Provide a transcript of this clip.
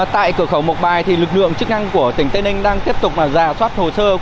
tại cửa khẩu mộc bài lực lượng chức năng của tỉnh tây ninh đang tiếp tục giả soát hồ sơ